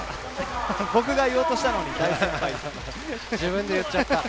僕が言おうとしたのに自分で言っちゃった。